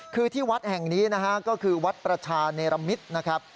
คือที่วัดแห่งนี้นะฮะก็คือวัดประชาเนรมิตนะครับ